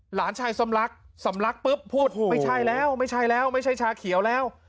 หลานชายสำลักสำลักปุ๊บพูดไม่ใช่แล้วไม่ใช่แล้วไม่ใช่ชาเขียวแล้ว